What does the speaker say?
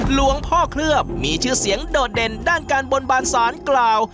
หลวงพ่อเคลือบมีชื่อเสียงโดดเด่นด้านการบนบานศาลกล่าว